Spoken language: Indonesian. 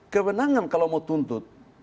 kewenangan kalau mau tuntut